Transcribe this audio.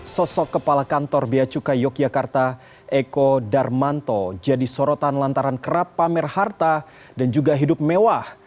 sosok kepala kantor beacuka yogyakarta eko darmanto jadi sorotan lantaran kerap pamer harta dan juga hidup mewah